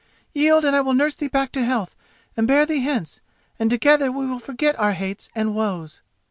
Yield and I will nurse thee back to health and bear thee hence, and together we will forget our hates and woes."